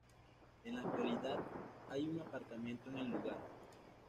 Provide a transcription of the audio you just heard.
En la actualidad, hay un aparcamiento en el lugar.